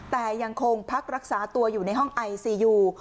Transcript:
แต่ยังคงพักรักษาตัวอยู่ในห้องไอซียู